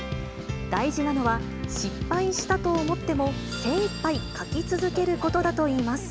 大事なのは、失敗したと思っても、精いっぱい描き続けることだといいます。